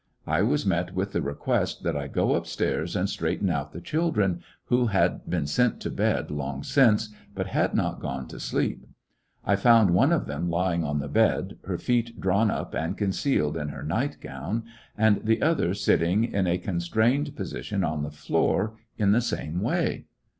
I was met with the request that I go up stairs and straighten out the children, who had been sent to bed long since, but had not gone to sleep. I found one of them lying on the bed, her feet drawn up and concealed in her night gown, and the other sitting in a constrained position on the floor, in the same way.